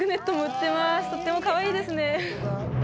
とってもかわいいですね